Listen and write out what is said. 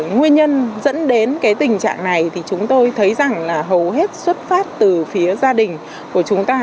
nguyên nhân dẫn đến tình trạng này chúng tôi thấy rằng hầu hết xuất phát từ phía gia đình của chúng ta